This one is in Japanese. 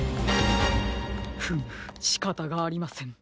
フムしかたがありません。